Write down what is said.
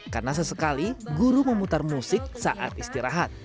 karena sesekali guru memutar musik saat istirahat